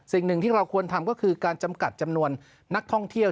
สิ่งหนึ่งที่เราควรทำก็คือการจำกัดจำนวนนักท่องเที่ยว